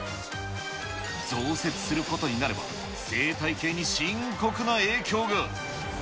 増設することになれば、生態系に深刻な影響が。